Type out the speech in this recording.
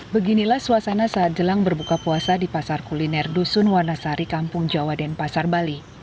beginilah suasana saat jelang berbuka puasa di pasar kuliner dusun wanasari kampung jawa dan pasar bali